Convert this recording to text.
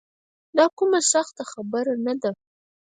دا کومه سخته خبره نه ده.